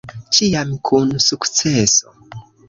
Ĉiam kun sukceso.